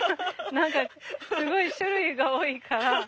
何かすごい種類が多いから。